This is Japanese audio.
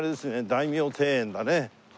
大名庭園だね。